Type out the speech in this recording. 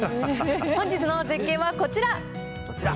本日の絶景はこちら。